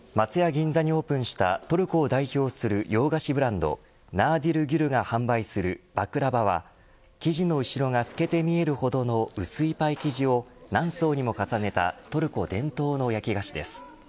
銀座にオープンしたトルコを代表する洋菓子ブランドナーディル・ギュルが販売するバクラバは生地の後ろが透けて見えるほどの薄いパイ生地を何層にも重ねたトルコ伝統の焼菓子です。